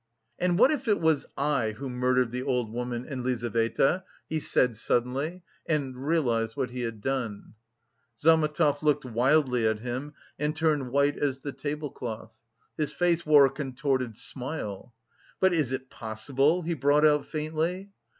"And what if it was I who murdered the old woman and Lizaveta?" he said suddenly and realised what he had done. Zametov looked wildly at him and turned white as the tablecloth. His face wore a contorted smile. "But is it possible?" he brought out faintly.